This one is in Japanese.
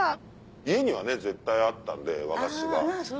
家には絶対あったんで和菓子が。